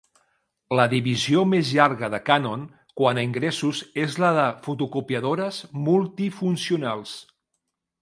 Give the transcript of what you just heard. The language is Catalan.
La divisió més llarga de Canon quant a ingressos és la de fotocopiadores multifuncionals.